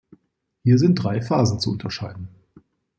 Hier sind drei Phasen zu unterscheiden.